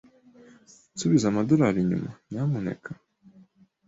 Nsubiza $ inyuma, nyamuneka.